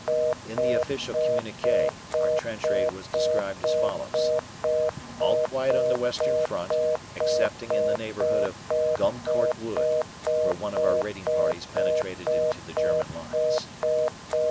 In the official communique our trench raid was described as follows: "All quiet on the Western front, excepting in the neighborhood of Gommecourt Wood, where one of our raiding parties penetrated into the German lines."